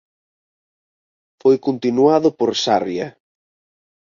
Foi continuado por "Sarria".